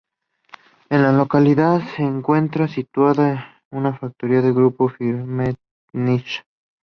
En la localidad se encuentra situada una factoría del grupo Firmenich.